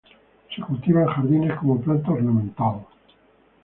Se cultiva en jardines como planta ornamental.